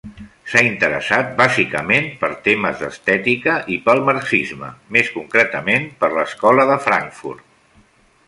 S'ha interessat bàsicament per temes d'estètica i pel marxisme, més concretament per l'Escola de Frankfurt.